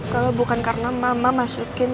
kalau bukan karena mama masukin